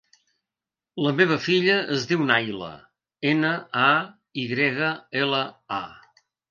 La meva filla es diu Nayla: ena, a, i grega, ela, a.